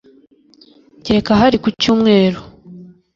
kereka ahari ku cyumweru